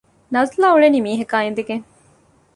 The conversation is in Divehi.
ނަޒުލާ އުޅެނީ މީހަކާ އިނދެގެން